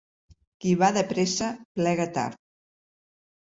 Qui va de pressa, plega tard.